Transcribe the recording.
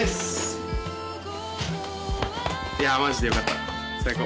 いやマジでよかった。